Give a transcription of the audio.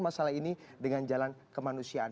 masalah ini dengan jalan kemanusiaan